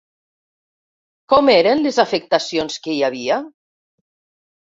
Com eren les afectacions que hi havia?